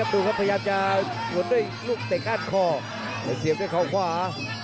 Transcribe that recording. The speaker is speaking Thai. ดูครับพยายามจะกดด้วยกลุ่มแสงข้างข้อแตะเสียมด้วยคอวขวา